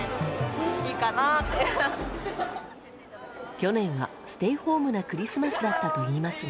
去年はステイホームなクリスマスだったといいますが。